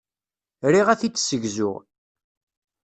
Riɣ ad t-id-ssegzuɣ.